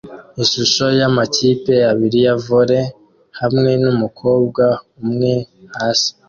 Ishusho yamakipe abiri ya volley hamwe numukobwa umwe hasi